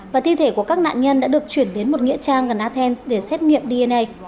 và thi thể của các nạn nhân đã được chuyển đến một nghĩa trang gần athens để xét nghiệm dna